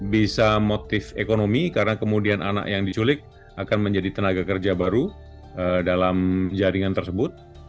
bisa motif ekonomi karena kemudian anak yang diculik akan menjadi tenaga kerja baru dalam jaringan tersebut